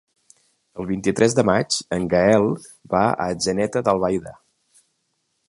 El vint-i-tres de maig en Gaël va a Atzeneta d'Albaida.